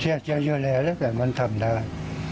เสียใจเยอะแรงแล้วแต่มันทำได้